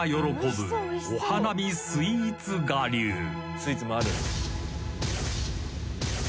スイーツもある？